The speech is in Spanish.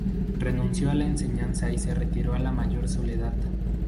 Renunció a la enseñanza y se retiró a la mayor soledad.